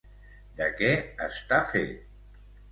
De què està fet?